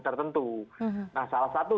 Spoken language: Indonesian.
tertentu nah salah satu